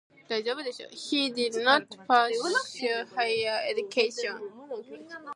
He did not pursue higher education.